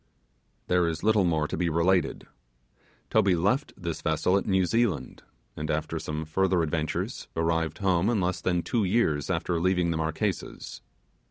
....... There is little more to be related. Toby left this vessel at New Zealand, and after some further adventures, arrived home in less than two years after leaving the Marquesas.